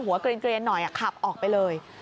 เกลียนหน่อยขับออกไปเลย